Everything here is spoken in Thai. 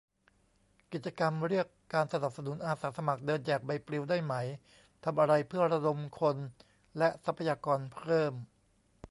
กิจกรรมเรียกการสนับสนุน อาสาสมัครเดินแจกใบปลิวได้ไหม ทำอะไรเพื่อระดมคนและทรัพยากรเพิ่ม